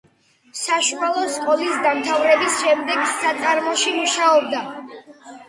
საშუალო სკოლის დამთავრების შემდეგ საწარმოში მუშაობდა.